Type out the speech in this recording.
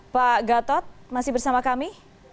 pak gatot masih bersama kami